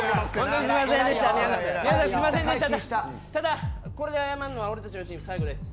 ただ、ここで謝るのは俺たちのチーム、最後です。